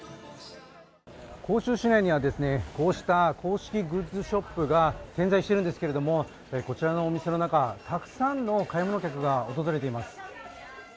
杭州市内には、こうした公式グッズショップが点在しているんですけれども、こちらのお店の中、たくさんの買い物客が訪れています。